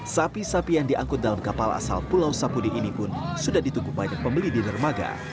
sapi sapi yang diangkut dalam kapal asal pulau sapudi ini pun sudah ditunggu banyak pembeli di dermaga